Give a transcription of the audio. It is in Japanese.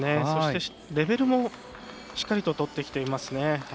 そしてレベルもしっかりと、とってきてますね。